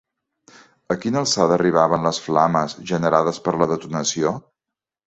A quina alçada arribaven les flames generades per la detonació?